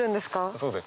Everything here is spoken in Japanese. そうです。